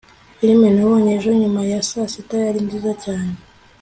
filime nabonye ejo nyuma ya saa sita yari nziza cyane